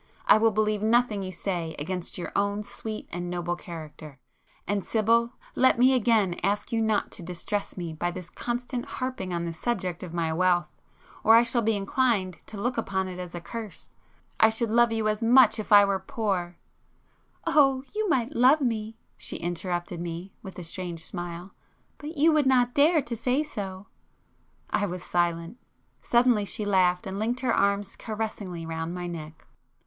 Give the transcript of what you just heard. I will believe nothing you say against your own sweet and noble character,—and, Sibyl, let me again ask you not to distress me by this constant harping on the subject of my wealth, or I shall be inclined to look upon it as a curse,—I should love you as much if I were poor——" "Oh, you might love me"—she interrupted me, with a strange smile—"but you would not dare to say so!" I was silent. Suddenly she laughed, and linked her arms caressingly round my neck.